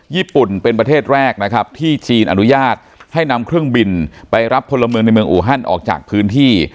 ญี่ปุ่นเป็นประเทศแรกนะครับที่จีนอนุญาตให้นำเครื่องบินไปรับพลเมืองในเมืองอูฮันออกจากพื้นที่